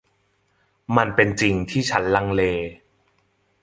มันเป็นจริงที่ฉันลังเล